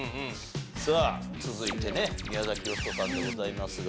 さあ続いてね宮崎美子さんでございますが。